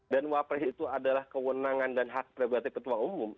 dan wapre itu adalah kewenangan dan hak pribadi ketua umum